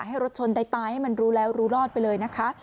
ให้รถชนตายให้มันรู้แล้วรู้รอดไปเลยนะคะ